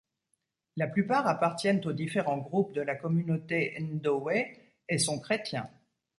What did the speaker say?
La plupart appartiennent aux différents groupes de la communauté Ndowe et sont chrétiens.